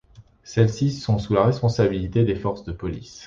Celles-ci sont sous la responsabilité des forces de police.